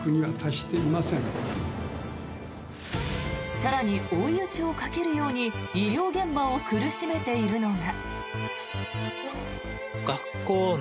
更に追い打ちをかけるように医療現場を苦しめているのが。